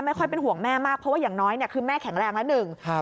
ไม่ค่อยเป็นห่วงแม่มากเพราะว่าอย่างน้อยคือแม่แข็งแรงละ